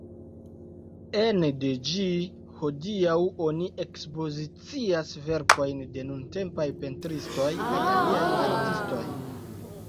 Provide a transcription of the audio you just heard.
Ene de ĝi hodiaŭ oni ekspozicias verkojn de nuntempaj pentristoj kaj aliaj artistoj.